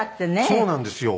そうなんですよ。